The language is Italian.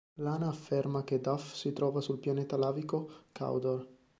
Lana afferma che Duff si trova sul pianeta lavico Cawdor.